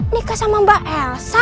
nikah sama mbak elsa